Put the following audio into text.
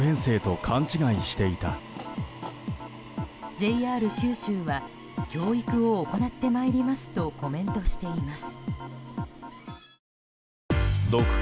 ＪＲ九州は教育を行ってまいりますとコメントしています。